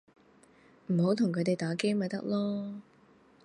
唔好同佢哋打機咪得囉